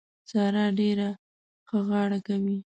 سارا ډېره ښه غاړه کوي.